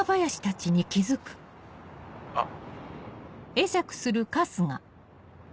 あっ。